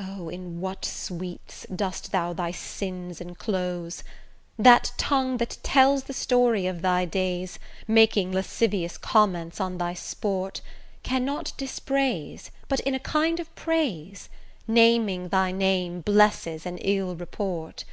O! in what sweets dost thou thy sins enclose. That tongue that tells the story of thy days, Making lascivious comments on thy sport, Cannot dispraise, but in a kind of praise; Naming thy name, blesses an ill report.